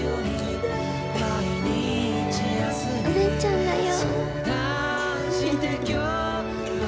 お姉ちゃんだよ。